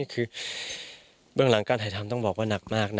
คือเบื้องหลังการถ่ายทำต้องบอกว่าหนักมากนะ